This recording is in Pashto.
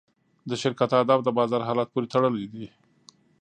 د شرکت اهداف د بازار حالت پورې تړلي دي.